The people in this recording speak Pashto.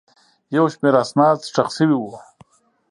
یو شمېر اسناد ښخ شوي وو.